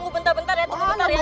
belain malah kayak gini